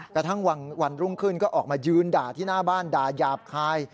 กระทั่งวันรุ่งขึ้นก็ออกมายืนด่าที่หน้าบ้านด่ายาบคาย